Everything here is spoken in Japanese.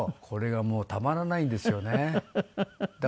これがもうたまらないんですよね。